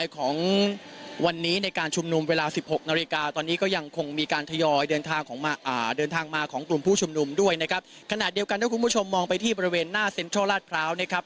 ขณะเดียวกันถ้าคุณผู้ชมมองไปที่บริเวณหน้าเซ็นทรัลลาดพร้าวนะครับ